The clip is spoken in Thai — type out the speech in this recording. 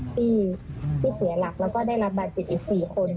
ที่เสียหลักได้รับบาดจิตอีก๔คน